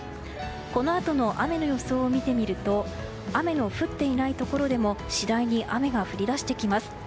このあとの雨の予想を見てみると雨の降っていないところでも次第に雨が降り出してきます。